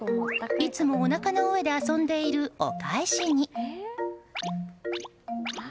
いつもおなかの上で遊んでいるお返しに。